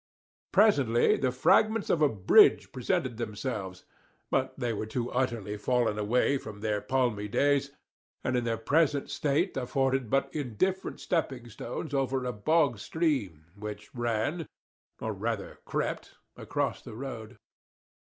Presently the fragments of a bridge presented themselves, but they too were utterly fallen away from their palmy days, and in their present state afforded but indifferent stepping stones over a bog stream which ran, or rather crept, across the road.